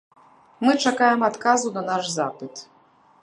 Мы чакаем адказу на наш запыт.